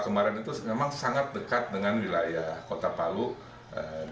dalam artian yang blok di sebelah timur